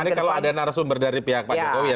ini kalau ada narasumber dari pihak pak jokowi ya